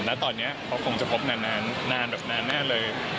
แล้วตอนนี้เขาคงจะคบนานแบบนานเลย